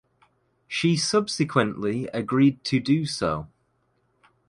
She subsequently agreed to do so.